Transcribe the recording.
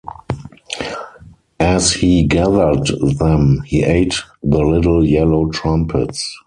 As he gathered them, he ate the little yellow trumpets.